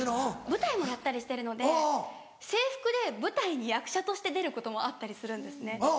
舞台もやったりしてるので制服で舞台に役者として出ることもあったりするんですね。